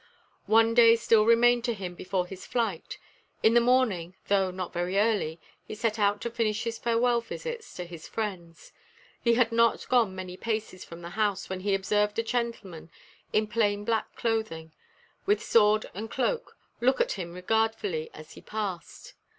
One day still remained to him before his flight. In the morning, though not very early, he set out to finish his farewell visits to his friends. He had not gone many paces from the house, when he observed a gentleman in plain black clothing, with sword and cloak, look at him regardfully as he passed.